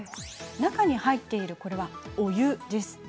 中に入っているのは、お湯です。